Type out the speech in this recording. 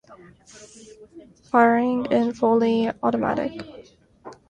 Firing in fully automatic.